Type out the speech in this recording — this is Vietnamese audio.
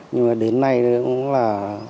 nhưng mà đến nay cũng là